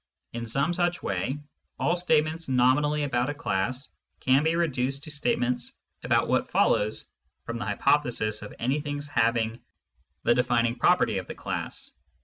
In some such way, all statements nominally about a class can be reduced to statements about what follows from the hypothesis of anything's having the defining property of the class.